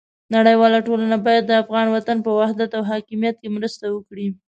نړیواله ټولنه باید د افغان وطن په وحدت او حاکمیت کې مرسته وکړي.